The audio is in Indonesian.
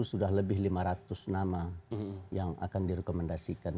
sudah lebih lima ratus nama yang akan direkomendasikan